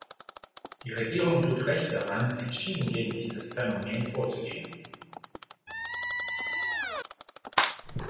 Die Regierung tut Recht daran, entschieden gegen dieses Phänomen vorzugehen.